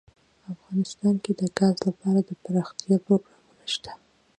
افغانستان کې د ګاز لپاره دپرمختیا پروګرامونه شته.